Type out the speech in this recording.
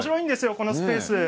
このスペース。